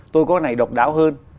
tôi có cái này độc đáo hơn